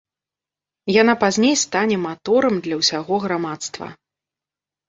Яна пазней стане маторам для ўсяго грамадства.